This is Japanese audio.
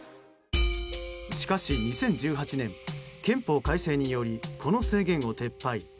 しかし２０１８年憲法改正によりこの制限を撤廃。